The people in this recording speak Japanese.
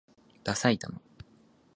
ださいたま